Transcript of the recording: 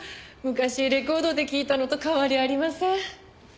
昔レコードで聞いたのと変わりありません。